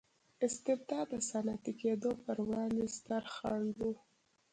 استبداد د صنعتي کېدو پروړاندې ستر خنډ و.